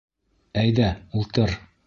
Әйҙә, ултыр.